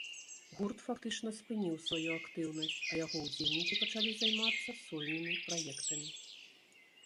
Гурт фактычна спыніў сваю актыўнасць, а яго ўдзельнікі пачалі займацца сольнымі праектамі.